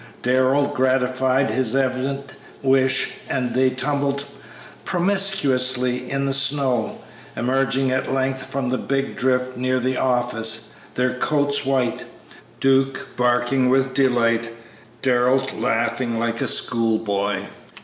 Darrell gratified his evident wish and they tumbled promiscuously in the snow, emerging at length from a big drift near the office, their coats white, Duke barking with delight, and Darrell laughing like a school boy.